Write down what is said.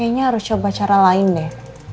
kayaknya harus coba cara lain deh